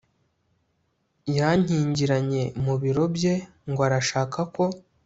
yankingiranye mubiro bye ngo arashaka ko